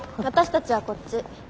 私たちはこっち。